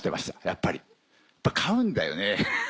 やっぱり買うんだよね。